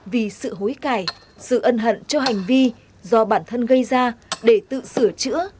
vì sự hối cải sự ân hận cho hành vi do bản thân gây ra để tự sửa chữa